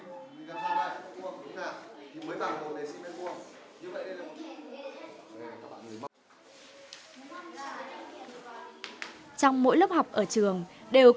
ừ hầm tiệm